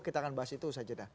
kita akan bahas itu usaha jeda